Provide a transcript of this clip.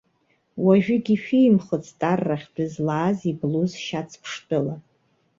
Уажәыгь ишәимхыцызт аррахьтә дызлааз иблуз шьацԥшшәыла.